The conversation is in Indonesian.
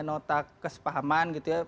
nota kesepahaman gitu ya